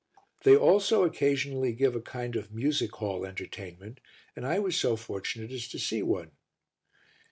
They also occasionally give a kind of music hall entertainment and I was so fortunate as to see one.